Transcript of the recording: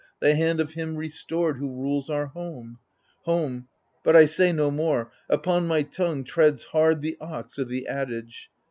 The hand of him restored, who rules our home : Home — ^but I say no more : upon my tongue Treads hard the ox o' the adage.